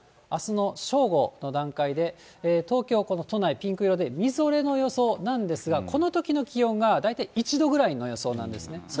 あすの正午の段階で、東京、この都内、ピンク色でみぞれの予想なんですが、このときの気温が大体１度ぐらいの予想なんですね。